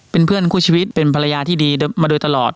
เป็นเพื่อนคู่ชีวิตเป็นภรรยาที่ดีมาโดยตลอด